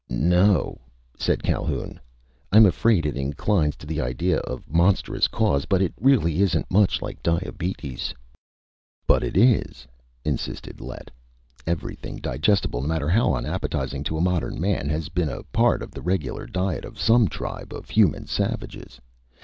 "No o o," said Calhoun. "I'm afraid it inclines to the idea of a monstrous cause, but it really isn't much like diabetes." "But it is!" insisted Lett. "Everything digestible, no matter how unappetizing to a modern man, has been a part of the regular diet of some tribe of human savages!